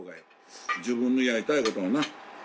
自分のやりたいことをな。